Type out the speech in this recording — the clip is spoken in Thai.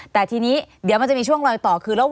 แต่ทีนี้เดี๋ยวมันจะมีช่วงรอยต่อคือ